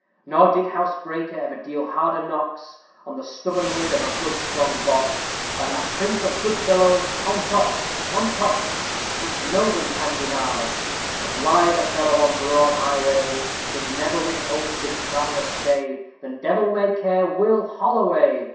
_ Nor did housebreaker ever deal harder knocks On the stubborn lid of a good strong box, Than that prince of good fellows, TOM COX, TOM COX! Which nobody can deny. A blither fellow on broad highway, Did never with oath bid traveller stay, Than devil may care WILL HOLLOWAY!